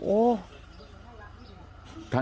โอ้โห